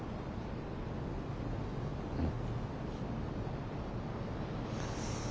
うん。